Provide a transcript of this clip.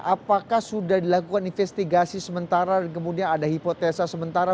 apakah sudah dilakukan investigasi sementara dan kemudian ada hipotesa sementara